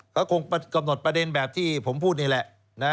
เขาคงกำหนดประเด็นแบบที่ผมพูดนี่แหละ